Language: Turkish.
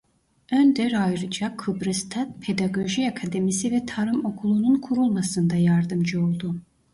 Önder ayrıca Kıbrıs'ta "Pedagoji Akademisi ve Tarım Okulu"'nun kurulmasında yardımcı oldu.